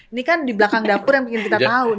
ini kan di belakang dapur yang bikin kita tahu